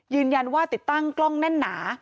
ยืนยันว่าติดตั้งกล้องแน่นหนา